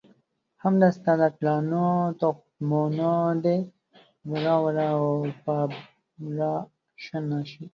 همدا ستا د ګلانو تخمونه دي، ورو ورو به را شنه شي.